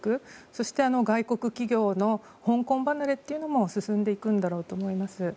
そして、外国企業の香港離れも進んでいくんだろうと思います。